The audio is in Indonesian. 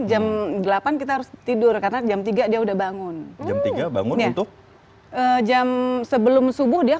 jam delapan kita harus tidur karena jam tiga dia udah bangun jam tiga bangun ya tuh jam sebelum subuh dia